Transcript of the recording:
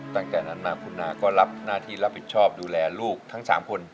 ตั้งแต่นั้นมาคุณนาก็รับหน้าที่รับผิดชอบดูแลลูกทั้ง๓คน